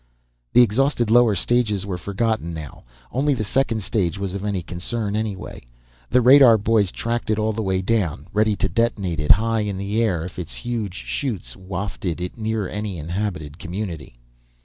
The exhausted lower stages were forgotten now; only the second stage was of any concern anyway. The radar boys tracked it all the way down, ready to detonate it high in the air if its huge 'chutes wafted it near any inhabited community.